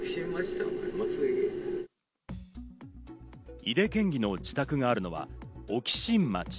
井手県議の自宅があるのは沖新町。